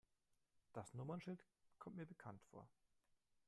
Das Nummernschild kommt mir bekannt vor.